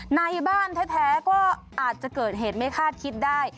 ในบ้านแท้ก็อาจจะเกิดเหตุไม่คาดคิดได้